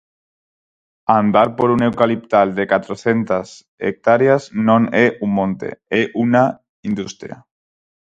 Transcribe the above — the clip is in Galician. Andar por un eucaliptal de catrocentas hectáreas non é un monte, é unha industria.